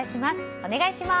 お願いします。